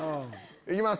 行きます。